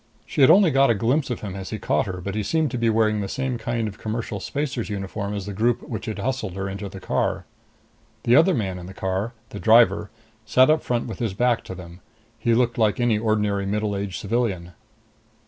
She had got only a glimpse of him as he caught her, but he seemed to be wearing the same kind of commercial spacer's uniform as the group which had hustled her into the car. The other man in the car, the driver, sat up front with his back to them. He looked like any ordinary middle aged civilian.